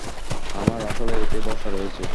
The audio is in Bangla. আমার আসলেই এতে ভরসা রয়েছে।